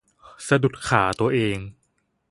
สะดุดขาตัวเอง